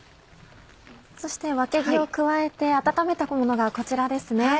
そしてわけぎを加えて温めたものがこちらですね。